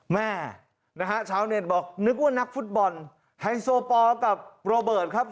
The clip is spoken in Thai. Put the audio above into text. แม่นะฮะชาวเน็ตบอกนึกว่านักฟุตบอลไฮโซปอลกับโรเบิร์ตครับ